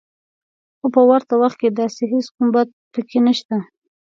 خو په ورته وخت کې داسې هېڅ کوم بد پکې نشته